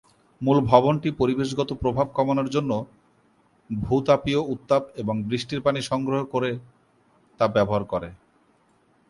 মূল ভবনটি পরিবেশগত প্রভাব কমানোর জন্য ভূ-তাপীয় উত্তাপ এবং বৃষ্টির পানি সংগ্রহে করে তা ব্যবহার করে।